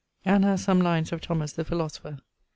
], and has some lines of Thomas the philosopher.